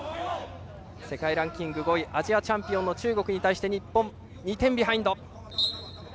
世界ランキング５位アジアチャンピオンの中国に対して日本、２点ビハインド。